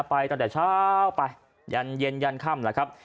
ไปตั้งแต่เช้าไปยันเย็นยันค่ำแหละครับ